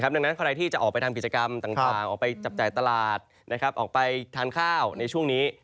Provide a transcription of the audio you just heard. ดังนั้นใครที่จะออกไปทำกิจกรรมต่างออกไปจับจ่ายตลาดออกไปทานข้าวในช่วงนี้